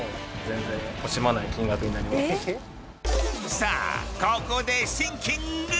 さあここでシンキング！